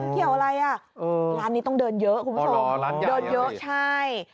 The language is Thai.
เกี่ยวอะไรนะร้านนี้ต้องเดินเยอะครับน้องคุณหมูสมโอ้ร้านใหญ่